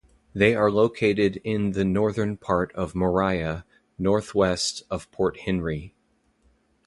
They are located in the northern part of Moriah, northwest of Port Henry.